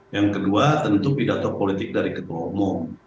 yang kedua tentu pidato politik dari ketua umum